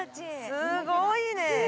すごいね。